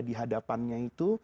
di hadapannya itu